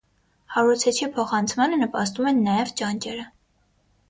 Հարուցիչի փոխանցմանը նպաստում են նաև ճանճերը։